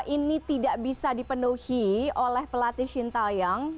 ini tidak bisa dipenuhi oleh pelatih shinta yang